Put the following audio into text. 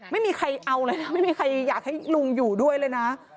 ไม่มีใครเอาเลยนะไม่มีใครอยากให้ลุงอยู่ด้วยเลยนะ